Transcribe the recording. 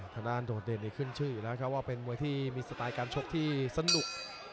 ทางด้านโดดเด่นนี่ขึ้นชื่ออยู่แล้วครับว่าเป็นมวยที่มีสไตล์การชกที่สนุก